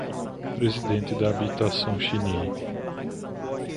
Presidente da Habitação Xinyi